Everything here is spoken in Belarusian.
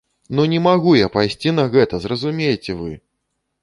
Ну не магу я пайсці на гэта, зразумейце вы!